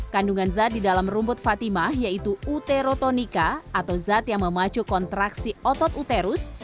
kandungan zat di dalam rumput fatimah yaitu uterotonica atau zat yang memacu kontraksi otot uterus